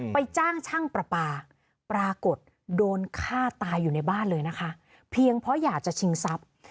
จ้างช่างประปาปรากฏโดนฆ่าตายอยู่ในบ้านเลยนะคะเพียงเพราะอยากจะชิงทรัพย์